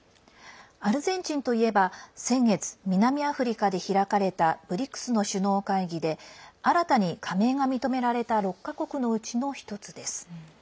アルゼンチンといえば先月、南アフリカで開かれたＢＲＩＣＳの首脳会議で新たに加盟が認められた６か国のうちの１つです。